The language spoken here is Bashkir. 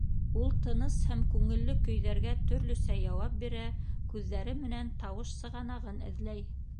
Ул тыныс һәм күңелле көйҙәргә төрлөсә яуап бирә, күҙҙәре менән тауыш сығанағын эҙләй.